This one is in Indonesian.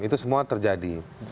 itu semua terjadi